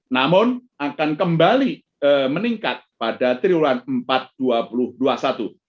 namun akan kembali meningkat pada triwulan empat dua ribu dua puluh satu